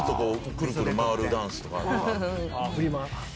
くるくる回るダンスとか。